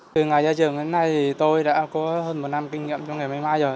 từ ngày ra trường đến nay tôi đã có hơn một năm kinh nghiệm trong nghề máy may rồi